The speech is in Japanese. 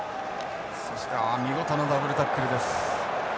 そしてああ見事なダブルタックルです。